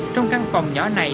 trong căn phòng nhỏ này